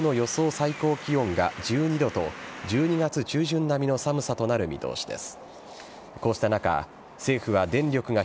最高気温が１２度と１２月中旬並みの寒さとなる見通しです。